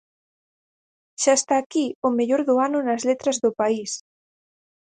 Xa está aquí o mellor do ano nas letras do país!